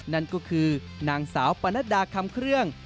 นั่นก็คือนางสาวปนัดดาคำเครื่อง